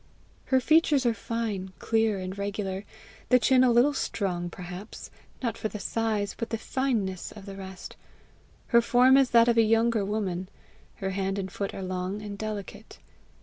Her features are fine, clear, and regular the chin a little strong perhaps, not for the size, but the fineness of the rest; her form is that of a younger woman; her hand and foot are long and delicate.